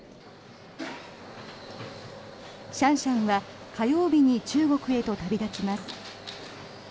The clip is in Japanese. シャンシャンは火曜日に中国へと旅立ちます。